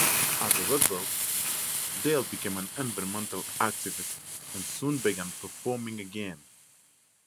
As a result, Dale became an environmental activist and soon began performing again.